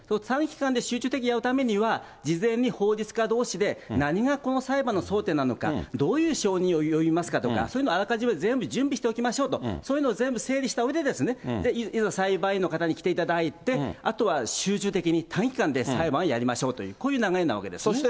短期間で集中的にやるためには、事前に法律家どうしで何がこの裁判の争点なのか、どういう証人を呼びますかとか、そういうのあらかじめ全部準備しておきましょうと、そういうのを全部整理したうえで、いざ裁判員の方に来ていただいて、あとは集中的に短期間で裁判をやりましょうという、こういう流れなわけですね。